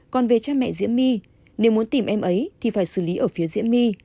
còn về cha mẹ diễm my nếu muốn tìm em ấy thì phải xử lý ở phía diễm my